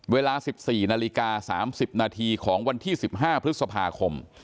เวลา๑๔นาฬิกา๓๐นาทีของวันที่๑๕พฤษภาคม